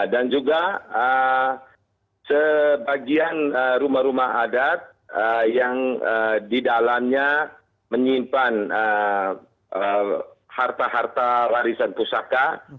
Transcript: dan juga sebagian rumah rumah adat yang di dalamnya menyimpan harta harta warisan pusaka